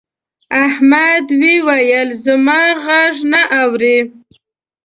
احمد وويل: زما غږ نه اوري.